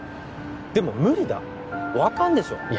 でも無理だ分かんでしょういや